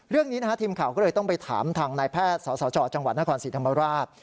เรื่องนี้ทีมข่าวก็เลยต้องไปถามทางนายแพทย์สสจจนศศิษย์ธรรมราช